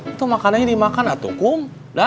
itu makanannya dimakan ah tukum